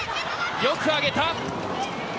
よく上げた。